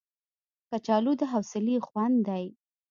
کچالو د حوصلې خوند دی